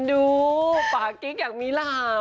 ดูปากิ๊กแห่งมีหลาน